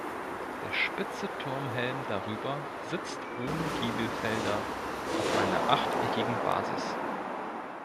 Der spitze Turmhelm darüber sitzt ohne Giebelfelder auf einer achteckigen Basis.